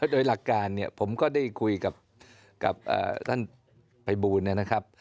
โดยหลักการเนี่ยผมก็ได้คุยกับท่านภัยบูลนะครับ